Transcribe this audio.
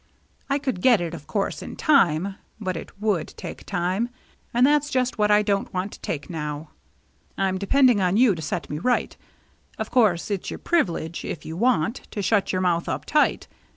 I could get it of course in time, but it would take time, and that's just what 1 don't want to take now. I'm depend ing on you to set me right. Of course it's your privilege, if you want, to shut your mouth up tight.